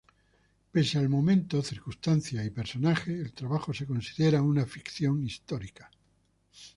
Pese al momento, circunstancias y personajes, el trabajo se considera una ficción histórica.